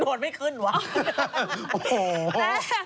คนไม่ขึ้นวะโอ้โห